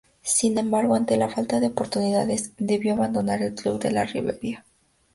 Sin embargo, ante la falta de oportunidades, debió abandonar el club de la Ribera.